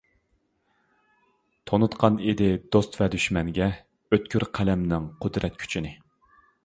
تونۇتقان ئىدى دوست ۋە دۈشمەنگە، ئۆتكۈر قەلەمنىڭ قۇدرەت كۈچىنى.